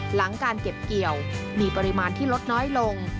หลังการเก็บเกี่ยวมีปริมาณที่ลดน้อยลง